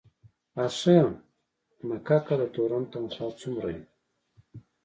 آ ښه مککه، د تورن تنخواه څومره وي؟